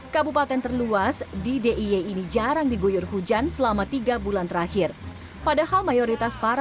kabupaten terluas di diy ini jarang digoyor hujan selama tiga bulan terakhir padahal mayoritas para